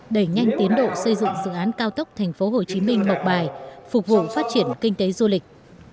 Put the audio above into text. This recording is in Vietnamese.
đẩy nhanh tiến độ xây dựng dự án cao tốc tp hcm mộc bài phục vụ phát triển kinh tế du lịch